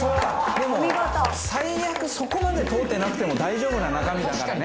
でも最悪そこまで通ってなくても大丈夫な中身だからね」